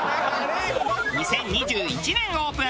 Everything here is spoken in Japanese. ２０２１年オープン。